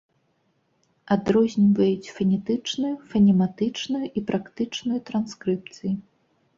Адрозніваюць фанетычную, фанематычную і практычную транскрыпцыі.